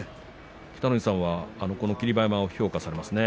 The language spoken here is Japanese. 北の富士さんはこの霧馬山を評価されますね。